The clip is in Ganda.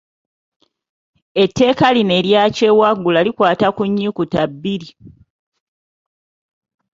Etteeka lino erya kyewaggula likwata ku nnyukuta bbiri.